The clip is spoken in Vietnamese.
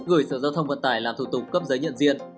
gửi sở giao thông vận tải làm thủ tục cấp giấy nhận diện